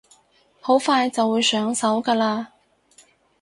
好快就會上手㗎喇